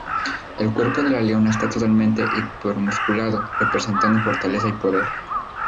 El cuerpo de la leona está totalmente hiper-musculado, representando fortaleza y poder.